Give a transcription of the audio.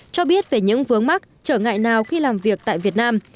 cho biết về những vướng mắt trở ngại nào khi làm việc tại việt nam